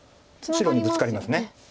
白にブツカります。